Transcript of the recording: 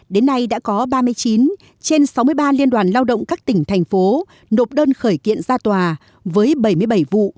đến nay đã có ba mươi chín trên sáu mươi ba liên đoàn lao động các tỉnh thành phố nộp đơn khởi kiện ra tòa với bảy mươi bảy vụ